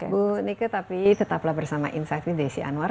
bu nike tapi tetaplah bersama insight with desi anwar